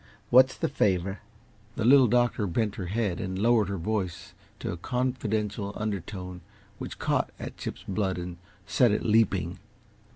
What's the favor?" The Little Doctor bent her head and lowered her voice to a confidential undertone which caught at Chip's blood and set it leaping.